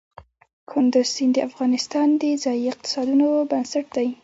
کندز سیند د افغانستان د ځایي اقتصادونو بنسټ دی.